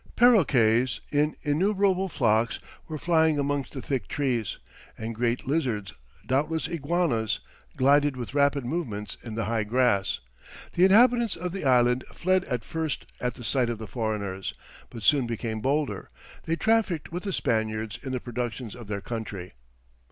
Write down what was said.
Parroquets in innumerable flocks were flying amongst the thick trees, and great lizards, doubtless iguanas, glided with rapid movements in the high grass. The inhabitants of the island fled at first at the sight of the foreigners, but soon becoming bolder, they trafficked with the Spaniards in the productions of their country.